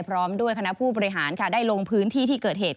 พร้อมด้วยคณะผู้บริหารค่ะได้ลงพื้นที่ที่เกิดเหตุ